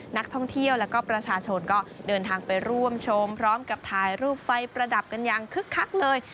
นักท่องเที่ยวแล้วก็ประชาชนก็เดินทางไปร่วมชมพร้อมกับถ่ายรูปไฟประดับกันอย่างคึกคักเลย